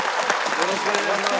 よろしくお願いします。